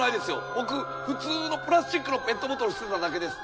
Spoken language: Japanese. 僕普通のプラスチックのペットボトル捨てただけです。